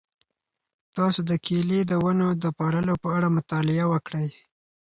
تاسو د کیلې د ونو د پاللو په اړه مطالعه وکړئ.